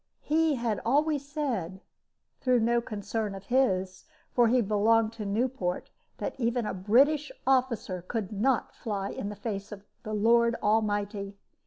He had always said, though no concern of his for he belonged to Newport that even a British officer could not fly in the face of the Almighty.